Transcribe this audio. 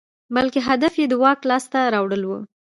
بلکې هدف یې د واک لاسته راوړل وو.